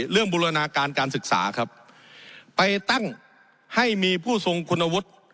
บูรณาการการศึกษาครับไปตั้งให้มีผู้ทรงคุณวุฒิ